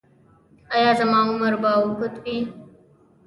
ایا زما عمر به اوږد وي؟